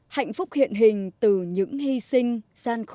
hạnh phúc hiện hình từ những hy sinh gian khổ